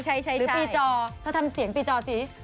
หรือปีจอเขาทำเสียงปีจอสิ